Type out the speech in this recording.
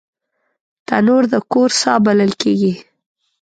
تنور د کور ساه بلل کېږي